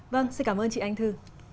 vâng xin cảm ơn chị anh thư